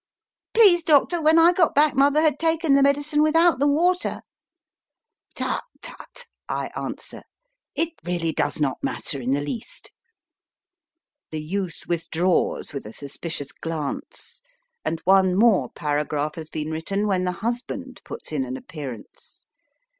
Please, doctor, when I got back mother had taken the medicine without the water. Tut, tut ! I answer. It really does not matter in the A. CON AN DOYLE 107 least. The youth withdraws with a suspicious glance, and one more paragraph has been written when the husband puts in an appearance.